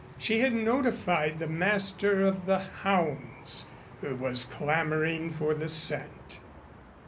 She had notified the master of the hounds who was clamoring for the scent.